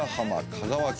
香川県。